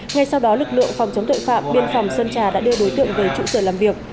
ngay sau đó lực lượng phòng chống tội phạm biên phòng sơn trà đã đưa đối tượng về trụ sở làm việc